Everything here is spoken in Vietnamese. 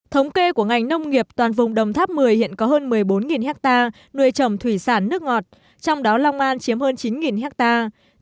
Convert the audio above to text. thống kê của ngành nông nghiệp toàn vùng đồng tháp một mươi hiện có hơn một mươi bốn hectare nuôi trồng thủy sản nước ngọt trong đó long an chiếm hơn chín hectare